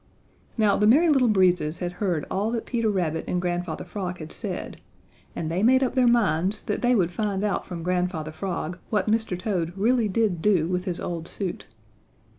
Now the Merry Little Breezes had heard all that Peter Rabbit and Grandfather Frog had said, and they made up their minds that they would find out from Grandfather Frog what Mr. Toad really did do with his old suit.